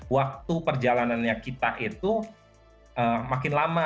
waktu perjalanannya kita itu makin lama